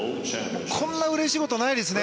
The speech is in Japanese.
こんなうれしいことはないですね。